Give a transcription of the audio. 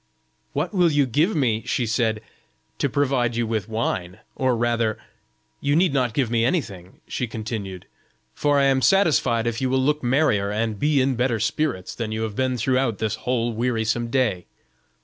"What will you give me," she said, "to provide you with wine?" or rather, "you need not give me anything," she continued, "for I am satisfied if you will look merrier and be in better spirits than you have been throughout this whole wearisome day.